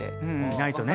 ないとね。